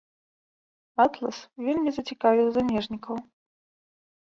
Атлас вельмі зацікавіў замежнікаў.